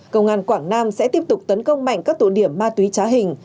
công an quảng nam sẽ tiếp tục tấn công mạnh các tụ điểm ma túy trá hình